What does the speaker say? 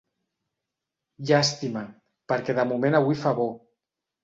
Llàstima, perquè de moment avui fa bo.